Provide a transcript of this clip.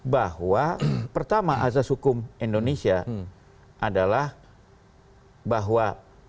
bahwa pertama azas hukum indonesia adalah bahwa